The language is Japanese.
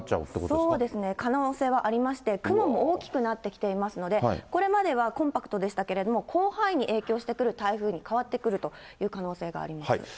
そうですね、可能性はありまして、雲も大きくなってきていますので、これまではコンパクトでしたけれども、広範囲に影響してくる台風に変わってくるという可能性があります。